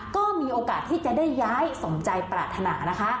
ก็มีโอกาสที่จะได้ย้ายสมใจปรารถนานะคะ